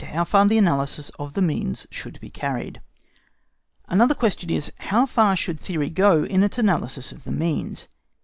HOW FAR THE ANALYSIS OF THE MEANS SHOULD BE CARRIED. Another question is, How far should theory go in its analysis of the means?